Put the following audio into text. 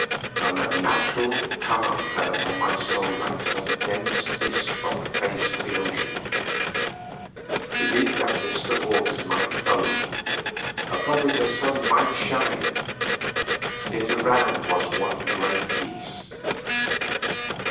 An unnatural calm fell upon my soul like some dense mist upon the face of the ocean. Beneath that mist the waters might foam, above it the sun might shine, yet around was one grey peace.